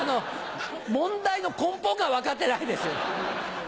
問題の根本が分かってないですよ。